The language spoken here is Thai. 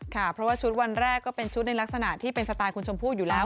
ค่ะเพราะว่าชุดวันแรกก็เป็นชุดในลักษณะที่เป็นสไตล์คุณชมพู่อยู่แล้ว